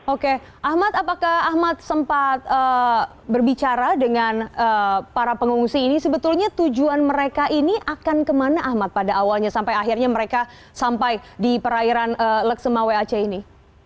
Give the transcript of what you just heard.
oke ahmad apakah ahmad sempat berbicara dengan para pengungsi ini sebetulnya tujuan mereka ini akan kemana ahmad pada awalnya sampai akhirnya mereka sampai di perairan leksema wac ini